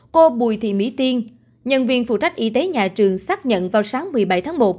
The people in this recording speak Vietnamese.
cô bùi thị mỹ tiên nhân viên phụ trách y tế nhà trường xác nhận vào sáng một mươi bảy tháng một